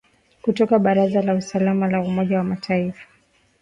kutoka baraza la usalama la umoja wa mataifa